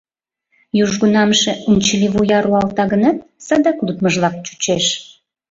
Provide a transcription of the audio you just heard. Южгунамже унчыливуя руалта гынат, садак лудмыжлак чучеш.